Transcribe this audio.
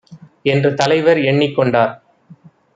என்று தலைவர் எண்ணிக் கொண்டார்.